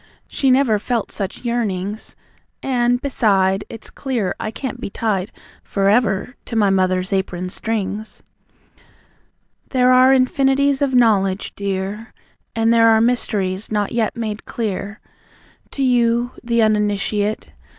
She never felt such yearnings? And, beside, It's clear I can't be tied For ever to my mother's apron strings." There are Infinities of Knowledge, dear. And there are mysteries, not yet made clear To you, the Uninitiate. .